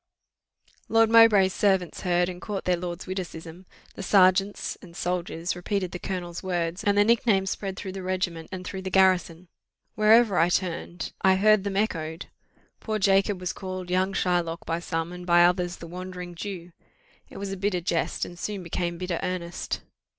_' "Lord Mowbray's servants heard, and caught their lord's witticism: the serjeants and soldiers repeated the colonel's words, and the nicknames spread through the regiment, and through the garrison; wherever I turned, I heard them echoed: poor Jacob was called young Shylock by some, and by others the Wandering Jew. It was a bitter jest, and soon became bitter earnest.